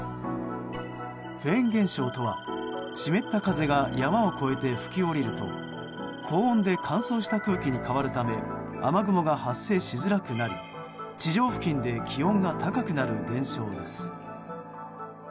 フェーン現象とは湿った風が山を越えて吹き下りると高温で乾燥した空気に変わるため雨雲が発生しづらくなり地上付近で気温が高くなる現象です。